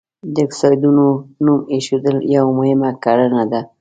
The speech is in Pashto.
د اکسایډونو نوم ایښودل یوه مهمه کړنه ده.